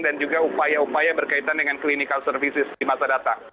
dan juga upaya upaya berkaitan dengan clinical services di masa datang